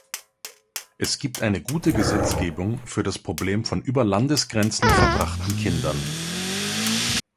Es gibt eine gute Gesetzgebung für das Problem von über Landesgrenzen verbrachten Kindern.